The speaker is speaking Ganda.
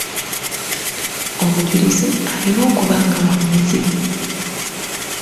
Omujulizi alina okuba nga wa mmizi.